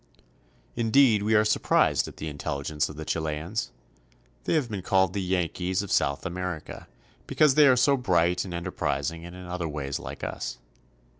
Indeed, we are surprised at the intelligence of the Chil eans. They have been called the Yankees of South America, because they are so bright and enterprising and in other ways like us.